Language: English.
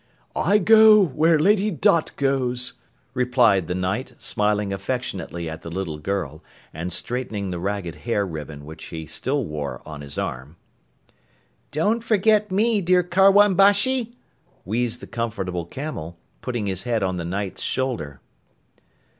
"I go where Lady Dot goes," replied the Knight, smiling affectionately at the little girl and straightening the ragged hair ribbon which he still wore on his arm. "Don't forget me, dear Karwan Bashi," wheezed the Comfortable Camel, putting his head on the Knight's shoulder.